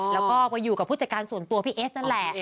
แล้วก็ไปอยู่กับผู้จัดการส่วนตัวพี่เอสนั่นแหละ